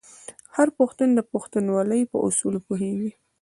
هر پښتون د پښتونولۍ په اصولو پوهیږي.